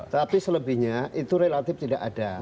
tapi selebihnya itu relatif tidak ada